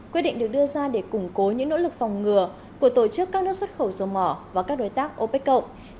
quyết định được đưa ra để củng cố những nỗ lực phòng ngừa của tổ chức các nước xuất khẩu dầu mỏ và các đối tác opec cộng